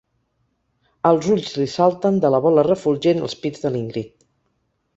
Els ulls li salten de la bola refulgent als pits de l'Ingrid.